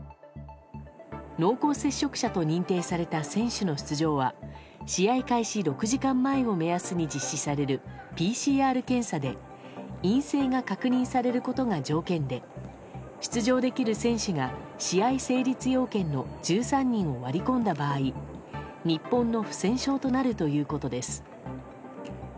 濃厚接触者と認定された選手の出場は試合開始６時間前を目安に実施されるＰＣＲ検査で陰性が確認されることが条件で出場できる選手が試合成立要件の１３人を割り込んだ場合日本の不戦勝となるということです。